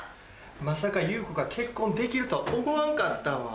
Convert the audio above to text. まさかユウコが結婚できるとは思わんかったわ。